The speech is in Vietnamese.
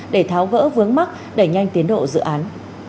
để tháo gỡ vướng mắt đẩy nhanh tiến độ dự án